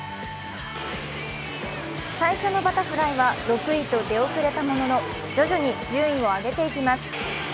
最初のバタフライは６位と出遅れたものの、徐々に順位を上げていきます。